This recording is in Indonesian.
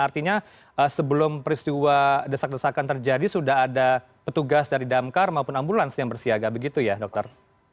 artinya sebelum peristiwa desak desakan terjadi sudah ada petugas dari damkar maupun ambulans yang bersiaga begitu ya dokter